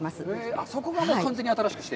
あそこが完全に新しくして？